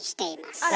あら！